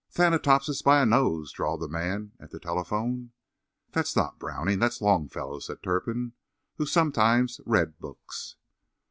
"Thanatopsis by a nose," drawled the man at the telephone. "That's not Browning; that's Longfellow," said Turpin, who sometimes read books.